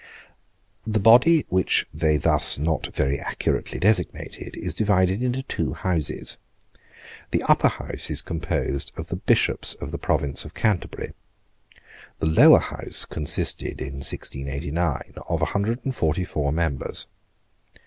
The body which they thus not very accurately designated is divided into two Houses. The Upper House is composed of the Bishops of the Province of Canterbury. The Lower House consisted, in 1689, of a hundred and forty four members.